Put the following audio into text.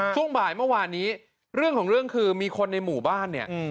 ช่วงบ่ายเมื่อวานนี้เรื่องของเรื่องคือมีคนในหมู่บ้านเนี่ย